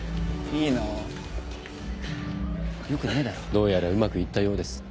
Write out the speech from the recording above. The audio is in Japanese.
どうやらうまくいったようです。